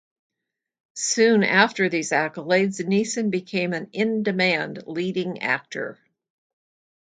Soon after these accolades, Neeson became an in-demand leading actor.